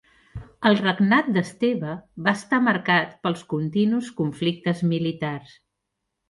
El regnat d'Esteve va estar marcat pels continus conflictes militars.